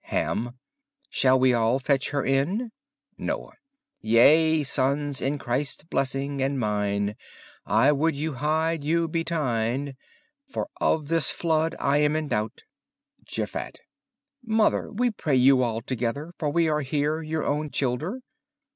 Ham Shall we all feche her in? Noye Yea, sonnes, in Christe blessinge and myne! I woulde you hied you be tyme. For of this flude I am in doubte. Jeffatte Mother, we praye you all together. For we are heare, youer owne childer.